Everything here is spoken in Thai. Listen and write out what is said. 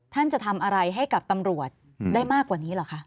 ท่านจะทำอะไรให้กับตำรวจได้มากกว่านี้เหรอคะ